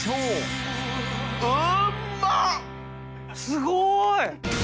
すごい！